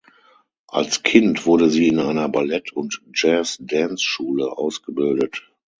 Als Kind wurde sie in einer Ballett- und Jazz Dance-Schule ausgebildet.